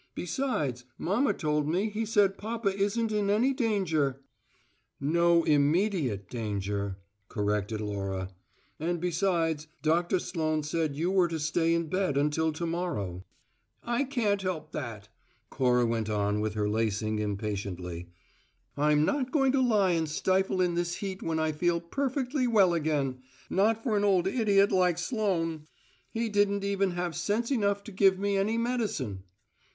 Besides, mamma told me he said papa isn't in any danger." "No `immediate' danger," corrected Laura. "And besides, Doctor Sloane said you were to stay in bed until to morrow." "I can't help that." Cora went on with her lacing impatiently. "I'm not going to lie and stifle in this heat when I feel perfectly well again not for an old idiot like Sloane! He didn't even have sense enough to give me any medicine."